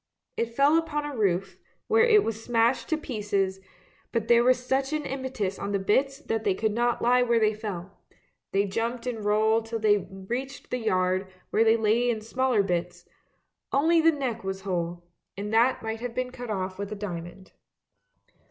It fell upon a roof, where it was smashed to pieces, but there was such an impetus on the bits that they could not lie where they fell; they jumped and rolled till they reached the yard, where they lay in still smaller bits; only the neck was whole, and that might have been cut off with a diamond.